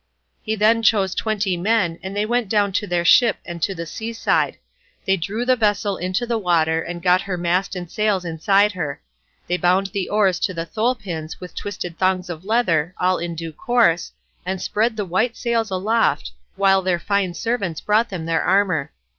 He then chose twenty men, and they went down to their ship and to the sea side; they drew the vessel into the water and got her mast and sails inside her; they bound the oars to the thole pins with twisted thongs of leather, all in due course, and spread the white sails aloft, while their fine servants brought them their armour.